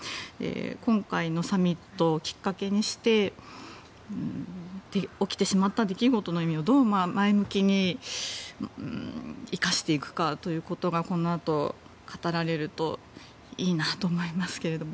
今回のサミットをきっかけにして起きてしまった出来事の意味をどう前向きに生かしていくかということがこのあと語られるといいなと思いますけども。